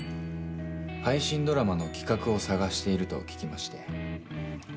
配信ドラマの企画を探していると聞きまして。